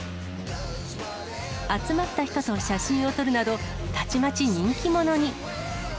集まった人と写真を撮るなど、たちまち人気者に。